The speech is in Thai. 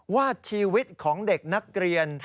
ว่าชีวิตของเด็กนักเรียน